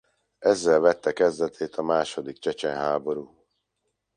Ezzel vette kezdetét a második csecsen háború.